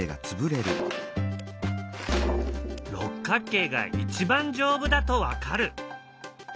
六角形が一番丈夫だと分かる。